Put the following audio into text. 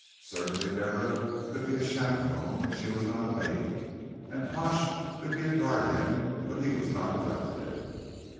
Certainly Deborah could be a chaperon, but she was not a lady, and Pash could be a guardian, but he was not a relative.